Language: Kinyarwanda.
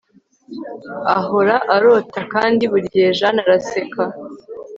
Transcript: Ahora arota kandi burigihe Jeanne araseka